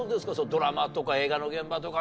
ドラマとか映画の現場とか。